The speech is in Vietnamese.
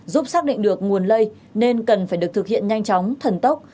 giúp xác định được nguồn lây nên cần phải được thực hiện nhanh chóng thần tốc